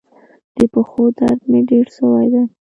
د پښو درد مي ډیر سوی دی.